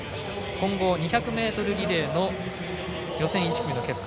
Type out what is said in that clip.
混合２００ｍリレーの予選１組の結果。